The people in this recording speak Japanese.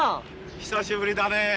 久しぶりだねえ！